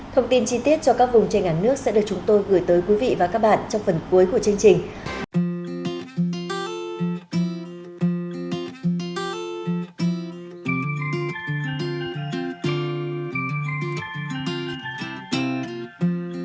thông tin chi tiết cho các vùng trên cả nước sẽ được chúng tôi gửi tới quý vị và các bạn trong phần cuối của chương trình